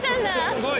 すごい！